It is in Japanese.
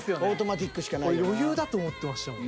余裕だと思ってましたもん。